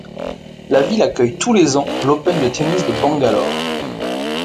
La ville accueille tous les ans l'Open de tennis de Bangalore.